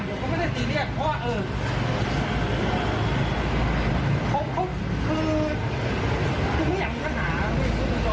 เพราะกูไม่มีติด